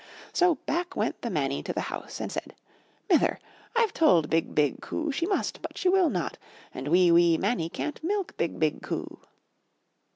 So back went the Mannie to the house and said: ''Mither, I've told BIG, BIG COO she must, but she will not, and wee, wee Mannie can't milk BIG, BIG COO.''